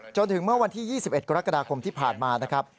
จนถึงเมื่อวันที่๒๑กรกฎาคมที่ผ่านมานะครับ